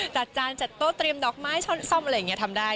จานจัดโต๊ะเตรียมดอกไม้ช่อนซ่อมอะไรอย่างนี้ทำได้